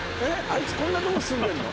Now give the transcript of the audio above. あいつこんなとこ住んでんの？